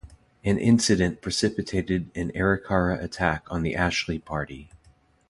An incident precipitated an Arikara attack on the Ashley party.